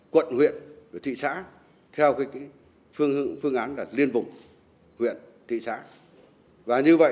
quận huyện thị xã theo phương án liên vùng huyện thị xã